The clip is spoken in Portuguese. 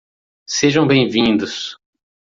Sejam bem-vindos!